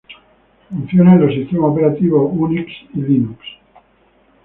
Funciona en los sistemas operativos Unix y Linux.